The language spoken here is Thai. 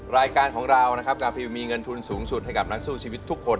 รายการของเรานะครับกาฟิลมีเงินทุนสูงสุดให้กับนักสู้ชีวิตทุกคน